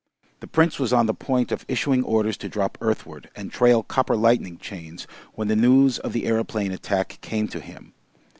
The Prince was on the point of issuing orders to drop earthward and trail copper lightning chains when the news of the aeroplane attack came to him.